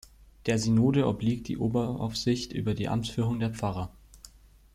Der Synode obliegt die Oberaufsicht über die Amtsführung der Pfarrer.